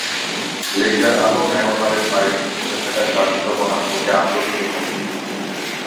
Laser আলো ন্যানোতারের বাইরের পৃষ্ঠে থাকা চার্জিত কণাগুলোকে আন্দোলিত করে।